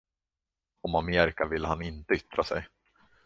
Om Amerika ville han inte yttra sig.